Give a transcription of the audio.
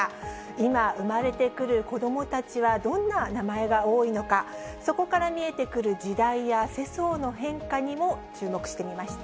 今、生まれてくる子どもたちは、どんな名前が多いのか、そこから見えてくる時代や世相の変化にも注目してみました。